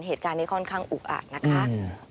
เหตุการณ์นี้ค่อนข้างอุกอาจนะคะ